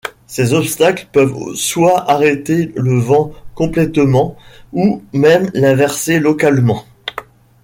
Ces obstacles peuvent soit arrêter le vent complètement ou même l'inverser localement.